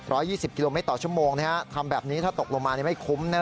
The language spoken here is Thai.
ยี่สิบกิโลเมตรต่อชั่วโมงนะฮะทำแบบนี้ถ้าตกลงมาไม่คุ้มนะ